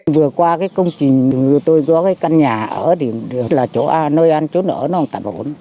vừa qua công trình tôi có căn nhà ở điểm là chỗ nơi ăn chỗ nở nó không tạp ổn